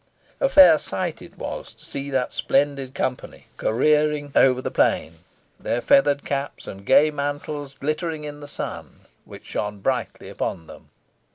A fair sight it was to see that splendid company careering over the plain, their feathered caps and gay mantles glittering in the sun, which shone brightly upon them.